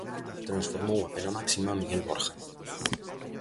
Transformou a pena máxima Miguel Borja.